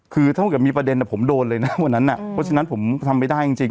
คือถ้าเกิดมีประเด็นผมโดนเลยนะเพราะฉะนั้นผมทำไม่ได้จริง